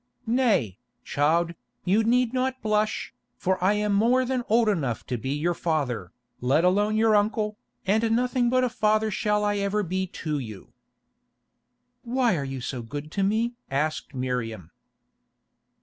Nay, child, you need not blush, for I am more than old enough to be your father, let alone your uncle, and nothing but a father shall I ever be to you." "Why are you so good to me?" asked Miriam.